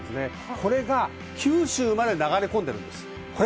これが九州まで流れ込んでいます。